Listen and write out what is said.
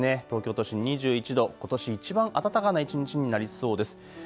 東京都心２１度、ことしいちばん暖かな一日になりそうです。